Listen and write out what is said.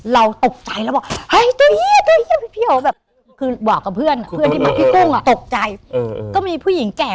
อย่าพูดอย่างนี้ซิอย่าย่าพูดอย่างนี้